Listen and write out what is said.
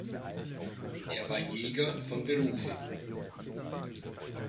Er war Jäger von Beruf.